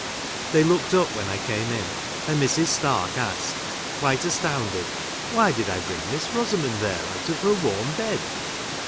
They looked up when I came in, and Mrs. Stark asked, quite astounded, " Why did I ' bring Miss Rosamond there, out of her wai'm bed